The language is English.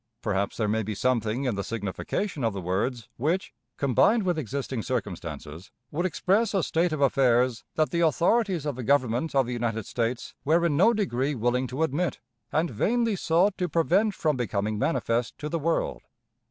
Perhaps there may be something in the signification of the words which, combined with existing circumstances, would express a state of affairs that the authorities of the Government of the United States were in no degree willing to admit, and vainly sought to prevent from becoming manifest to the world.